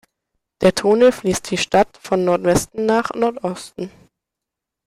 Der Tone fließt die Stadt von Nordwesten nach Nordosten.